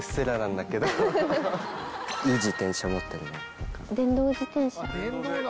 いい自転車持ってるね。